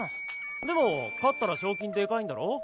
でも勝ったら賞金でかいんだろ？